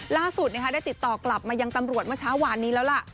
ล่าสุดได้ติดต่อกลับมายังตำรวจเมื่อเช้าวานนี้แล้วล่ะ